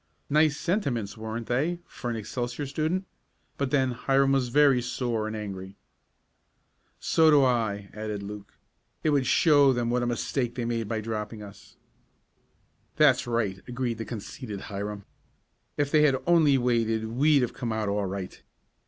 Nice sentiments, weren't they for an Excelsior student? But then Hiram was very sore and angry. "So do I," added Luke. "It would show them what a mistake they made by dropping us." "That's right," agreed the conceited Hiram. "If they had only waited we'd have come out all right.